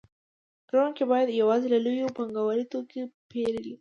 پلورونکي باید یوازې له لویو پانګوالو توکي پېرلی